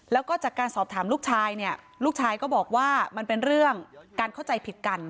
แล้วก็จากการสอบถามลูกชายเนี่ยลูกชายก็บอกว่ามันเป็นเรื่องการเข้าใจผิดกัน